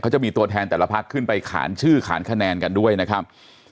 จะมีตัวแทนแต่ละพักขึ้นไปขานชื่อขานคะแนนกันด้วยนะครับ